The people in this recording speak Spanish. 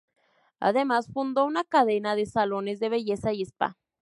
Además, fundó una cadena de salones de belleza y spa.